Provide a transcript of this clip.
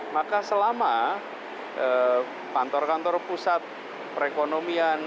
maka selama kantor kantor pusat perekonomian